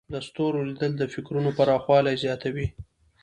د ستورو لیدل د فکرونو پراخوالی زیاتوي.